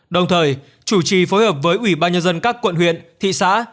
đồng thời chủ trì phối hợp với ủy ban nhân dân các quận huyện thị xã